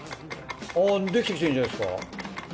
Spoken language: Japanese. あぁできてきてるんじゃないですか？